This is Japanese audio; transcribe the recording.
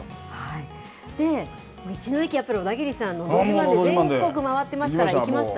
で、道の駅、やっぱり小田切さん、のど自慢で全国回ってますから、行きました？